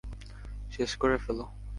শেষ করে ফেলো।